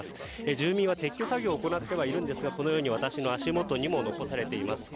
住民は撤去作業を行っていますがこのように私の足元にも残されています。